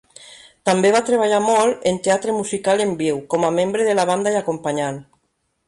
També va treballar molt en teatre musical en viu com a membre de la banda i acompanyant.